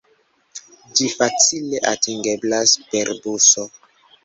Ĝi facile atingeblas per buso.